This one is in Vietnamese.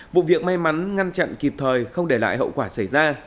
vụ việc may mắn ngăn chặn kịp thời không để lại hậu quả xảy ra